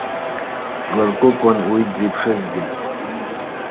Ҵларкәыкәын уи дзеиԥшызгьы.